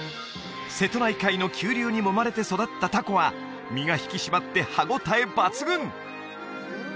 瀬戸内海の急流にもまれて育ったタコは身が引き締まって歯応え抜群うん！